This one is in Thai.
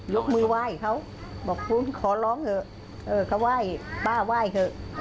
ยกมือไหว้เขาบอกคุณขอร้องเถอะเขาไหว้ป้าไหว้เถอะ